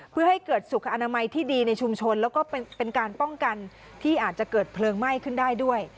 เพื่อให้เกิดสุขอนามัยที่ดีในชุมชนแล้วก็เป็นการป้องกันที่อาจจะเกิดเพลิงไหม้ขึ้นได้ด้วย